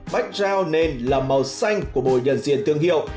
bách giao nền là màu xanh của bộ nhân diện thương hiệu